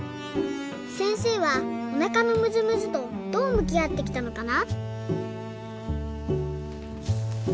せんせいはおなかのむずむずとどうむきあってきたのかな？